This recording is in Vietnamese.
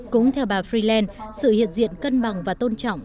cũng theo bà freeland sự hiện diện cân bằng và tôn trọng